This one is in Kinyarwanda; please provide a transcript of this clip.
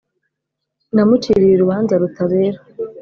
namuciriye urubanza rutabera.